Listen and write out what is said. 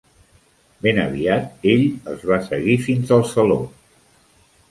Ben aviat ell els va seguir fins al saló.